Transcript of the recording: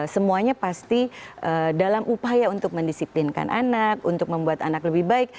semuanya pasti dalam upaya untuk mendisiplinkan anak untuk membuat anak lebih baik